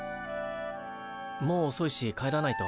もうおそいし帰らないと。